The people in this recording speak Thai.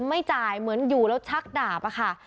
ไม่จ่ายเหมือนอยู่แล้วชักดาบอะค่ะ